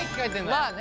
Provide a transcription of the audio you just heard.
まあね。